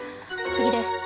次です。